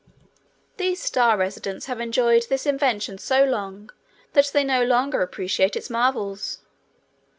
These star residents have enjoyed this invention so long that they no longer appreciate its marvels.